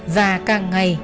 và càng ngày